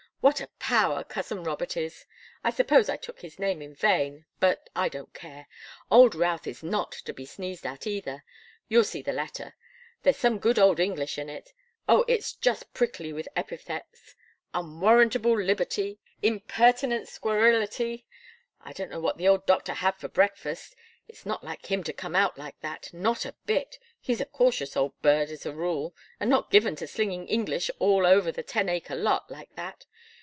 What a power cousin Robert is! I suppose I took his name in vain but I don't care. Old Routh is not to be sneezed at, either. You'll see the letter. There's some good old English in it. Oh, it's just prickly with epithets 'unwarrantable liberty,' 'impertinent scurrility' I don't know what the old doctor had for breakfast. It's not like him to come out like that, not a bit. He's a cautious old bird, as a rule, and not given to slinging English all over the ten acre lot, like that.